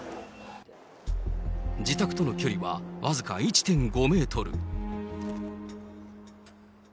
自宅との距離は僅か１．５メートル。